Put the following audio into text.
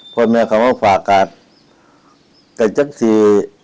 ปัจจักที่